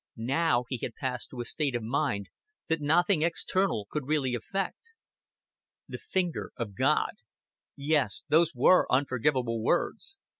Now he had passed to a state of mind that nothing external could really affect. "The finger of God" Yes, those were unforgivable words.